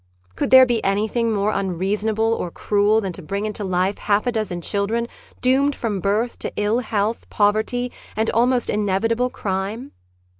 Could there be. any thing more unreasonable or cruel than to bring into life half a dozen children doomed from birth to ill health, poverty, and almost inevitable crime?